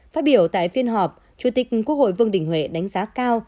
phát biểu tại phiên họp chủ tịch quốc hội vương đình huệ đánh giá cao